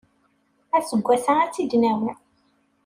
Aseggas-a ad tt-id-nawi.